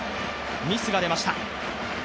ミスが出ました。